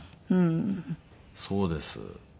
そうです。